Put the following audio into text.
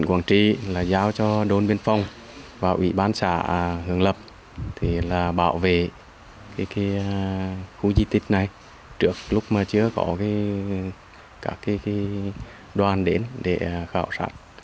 quảng trị là giao cho đôn biên phong và ủy ban xã hướng lập bảo vệ khu di tích này trước lúc chưa có các đoàn đến để khảo sát